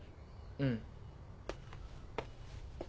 うん。